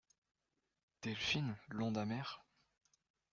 Delphine L'onde amère !